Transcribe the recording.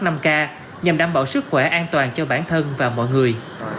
nhằm đảm bảo sức khỏe an toàn cho bản thân và mọi người